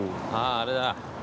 あぁあれだ。